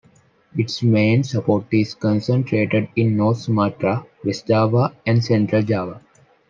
Its main support is concentrated in North Sumatra, West Java and Central Java.